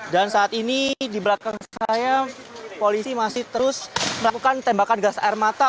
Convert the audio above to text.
dan saat ini di belakang saya polisi masih terus melakukan tembakan gas air mata